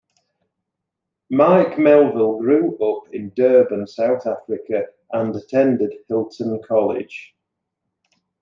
Mike Melvill grew up in Durban, South Africa and attended Hilton College.